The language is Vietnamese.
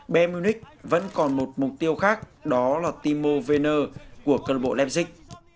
bm unique vẫn còn một mục tiêu khác đó là timo werner của club leipzig